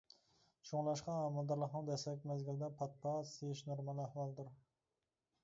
شۇڭلاشقا ھامىلىدارلىقنىڭ دەسلەپكى مەزگىلىدە پات-پات سىيىش نورمال ئەھۋالدۇر.